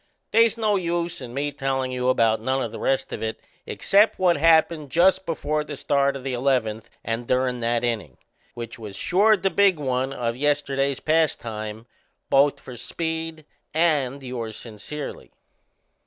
They's no use in me tellin' you about none o' the rest of it except what happened just before the start o' the eleventh and durin' that innin', which was sure the big one o' yesterday's pastime both for Speed and yours sincerely.